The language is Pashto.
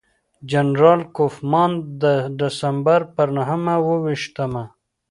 جنرال کوفمان د ډسمبر پر نهه ویشتمه.